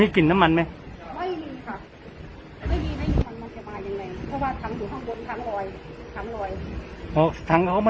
ทุกคนไม่มีใครรู้หรอกว่าเป็นอะไร